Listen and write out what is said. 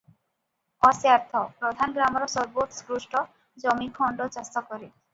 ଅସ୍ୟାର୍ଥ -ପଧାନ ଗ୍ରାମର ସର୍ବୋତ୍କୃଷ୍ଟ ଜମିଖଣ୍ତ ଚାଷ କରେ ।